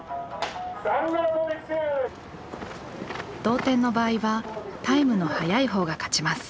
同点の場合はタイムの速いほうが勝ちます。